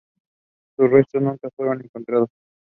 Meth took office the next day.